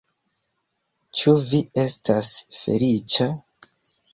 Ĉu vi estas feliĉa?